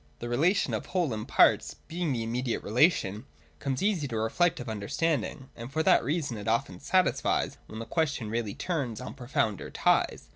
The relation of whole and parts, being the immediate relation, comes easy to reflective understanding ; and for that reason it often satisfies when the question really turns on profounder ties.